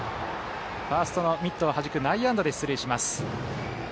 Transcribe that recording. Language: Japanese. ファーストのミットをはじく内野安打で出塁します。